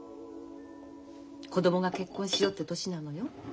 子供が結婚しようって年なのよ？